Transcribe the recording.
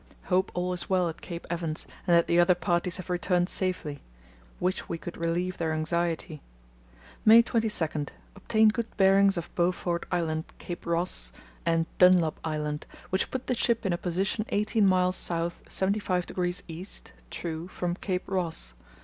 Hope all is well at Cape Evans and that the other parties have returned safely. Wish we could relieve their anxiety. "May 22.—Obtained good bearings of Beaufort Island, Cape Ross, and Dunlop Island, which put the ship in a position eighteen miles south 75° east (true) from Cape Ross.